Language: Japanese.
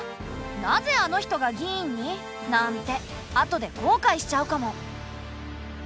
「なぜあの人が議員に？」なんてあとで後悔しちゃうかも。